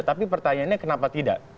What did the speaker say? tapi pertanyaannya kenapa tidak